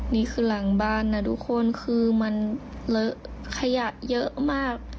นี่คือหลังบ้านนะทุกคนคือมันเลอะขยะเยอะมาก